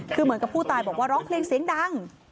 คือเหมือนกับผู้ตายบอกว่าร้องเพลงเสียงดัง